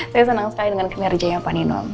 saya senang sekali dengan kinerjanya panino